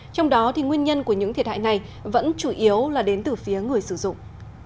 trong đó nguyên nhân của những thiệt hại này vẫn chủ yếu là đến từ phía người sử dụng